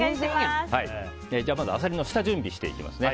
まずアサリの下準備していきますね。